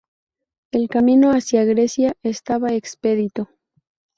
El camino hacia Grecia estaba expedito.